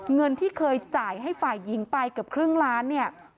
เงินที่เคยจ่ายให้ฝ่ายหญิงไปเกือบครึ่งล้านเนี่ย